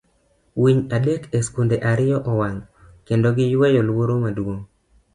Winy adek E Skunde Ariyo Owang' Kendo Giyweyo Luoro Maduong'